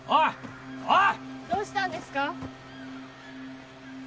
どうしたんですか？